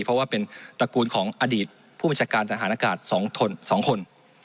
เพราะว่าเป็นตระกูลของอดีตผู้บัญชาการทหารอากาศ๒คน